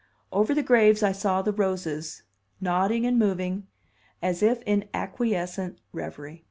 Over the graves I saw the roses, nodding and moving, as if in acquiescent revery.